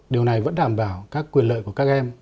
điều này vẫn đảm bảo các quyền lợi của các em